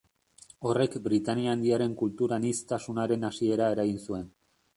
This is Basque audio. Horrek Britainia Handiaren kultur aniztasunaren hasiera eragin zuen.